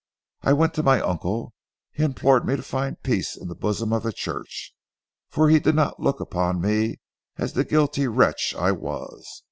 I went to my uncle. He implored me to find peace in the bosom of the church, for he did not look upon me as the guilty wretch I was.